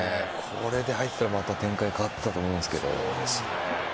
これで入ってたらまた展開変わってたと思うんですが。